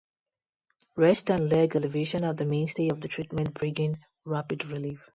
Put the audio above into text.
Rest and leg elevation are the mainstay of the treatment bringing rapid relief.